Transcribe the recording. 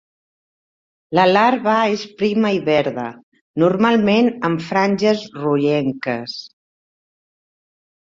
La larva és prima i verda, normalment amb franges rogenques.